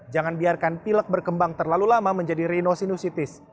jangan biarkan pilek berkembang terlalu lama menjadi rhinosinusitis